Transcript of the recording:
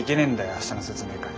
明日の説明会。